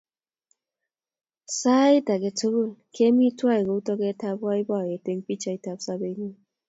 Sait ake tukul kemi twai kou toketap poipoyet eng' pichaiyat ap sobennyu.